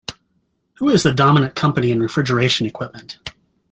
Who is the dominant company in refrigeration equipment?